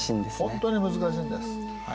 ほんとに難しいんです。